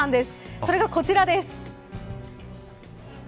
それが、こちらです。